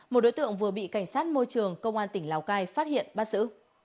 một đối tượng vừa bị cảnh sát môi trường công an tỉnh lào cai phát hiện bắt giữ